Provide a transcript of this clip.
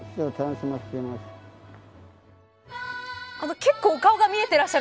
結構お顔が見えていらっしゃる。